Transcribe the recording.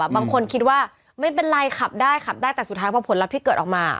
บางคนคิดว่าไม่เป็นไรขับได้ขับได้แต่สุดท้ายพอผลลัพธ์ที่เกิดออกมา